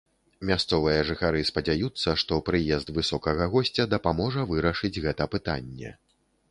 Мясцовыя жыхары спадзяюцца, што прыезд высокага госця дапаможа вырашыць гэта пытанне.